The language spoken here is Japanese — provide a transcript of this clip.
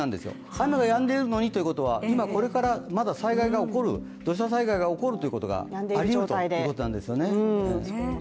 雨がやんでるのにということは今これからまだ土砂災害が起こるということがありうるということなんですよね。